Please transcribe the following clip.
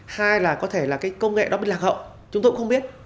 hai là có thể là cái công nghệ đó bị lạc hậu chúng tôi cũng không biết